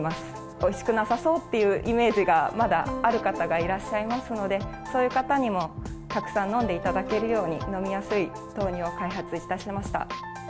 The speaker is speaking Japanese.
おいしくなさそうっていうイメージがまだある方がいらっしゃいますので、そういう方にも、たくさん飲んでいただけるように、飲みやすい豆乳を開発いたしました。